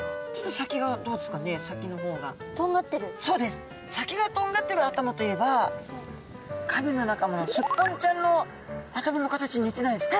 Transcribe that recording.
先がとんがってる頭といえばカメの仲間のスッポンちゃんの頭の形に似てないですか？